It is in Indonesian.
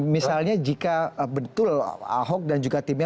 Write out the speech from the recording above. misalnya jika betul ahok dan juga timnya